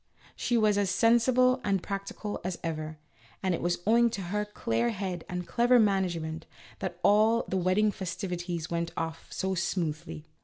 She was as sensible and practical as ever, and it was owing to her clear head and clever management that all the wedding festivi ties went off so smoothly.